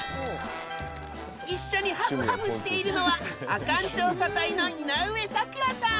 一緒にハフハフしているのはアカン調査隊の井上咲楽さん。